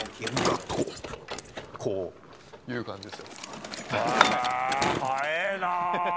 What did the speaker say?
こういう感じです。